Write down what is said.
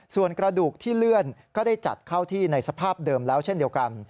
ส่วนกระดูกที่เลื่อนก็ได้จัดเข้าที่ในสภาพเดิมแล้วเช่นเดียวกัน